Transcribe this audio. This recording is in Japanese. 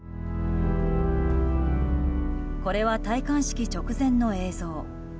これは戴冠式直前の映像。